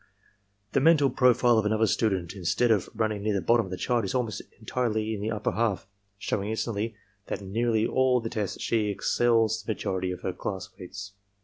"The mental profile of another student, instead of running near the bottom of the chart is almost entirely in the upper half, showing instantly that in nearly all the tests she excels the majority of her classmates.